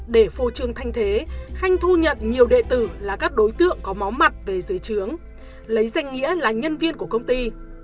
để phô trương thanh thế khanh thu nhận nhiều đệ tử là các đối tượng có máu mặt về dưới trướng lấy danh nghĩa là nhân viên của công ty